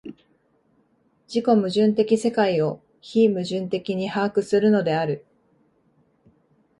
自己矛盾的世界を非矛盾的に把握するのである。